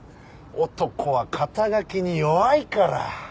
男は肩書に弱いから。